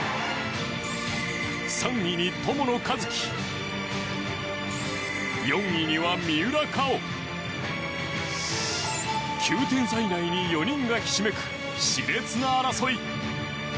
３位に友野一希４位には三浦佳生９点差以内に４人がひしめく熾烈な争い。